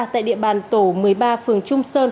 tại địa bàn tổ một mươi ba phường trung sơn